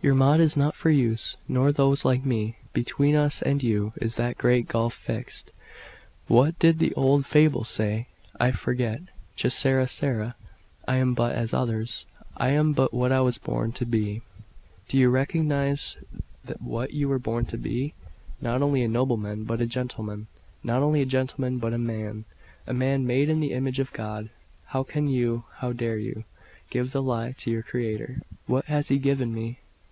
"Your Maud is not for me, nor those like me. Between us and you is that 'great gulf fixed;' what did the old fable say? I forget. Che sara sara! I am but as others: I am but what I was born to be." "Do you recognize what you were born to be? Not only a nobleman, but a gentleman; not only a gentleman, but a man man, made in the image of God. How can you, how dare you, give the lie to your Creator?" "What has He given me?